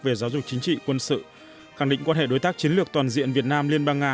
về giáo dục chính trị quân sự khẳng định quan hệ đối tác chiến lược toàn diện việt nam liên bang nga